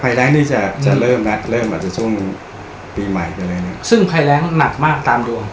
ภัยแร้งนี่จะจะเริ่มน่ะเริ่มอาจจะช่วงปีใหม่ก็เลยนะครับซึ่งภัยแร้งหนักมากตามดวง